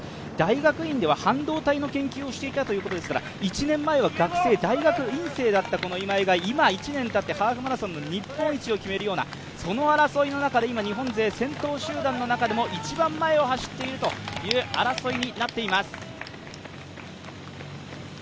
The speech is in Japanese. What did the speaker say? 大学院では半導体の研究をしていたということですから、１年前は学生、大学院生だった今江勇が今、１年たってハーフマラソン日本一を決めるような争いの中で今、日本勢、先頭集団の中でも一番前を走っているという争いになっています。